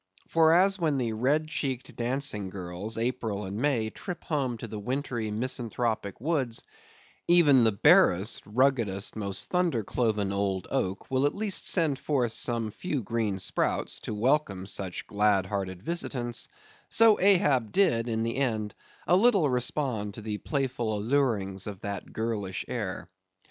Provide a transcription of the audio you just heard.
For, as when the red cheeked, dancing girls, April and May, trip home to the wintry, misanthropic woods; even the barest, ruggedest, most thunder cloven old oak will at least send forth some few green sprouts, to welcome such glad hearted visitants; so Ahab did, in the end, a little respond to the playful allurings of that girlish air.